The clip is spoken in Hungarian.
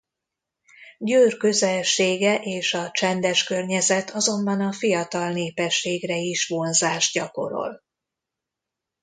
Győr közelsége és a csendes környezet azonban a fiatal népességre is vonzást gyakorol.